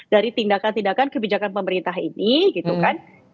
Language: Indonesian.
jadi tindakan tindakan kebijakan pemerintah ini gitu kan